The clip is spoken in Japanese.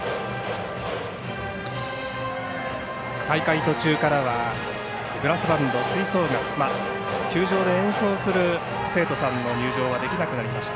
大会途中からはブラスバンド吹奏楽球場で演奏する生徒さんの入場ができなくなりました。